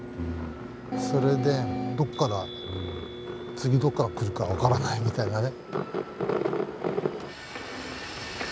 それでどっから次どこから来るか分からないみたいなね。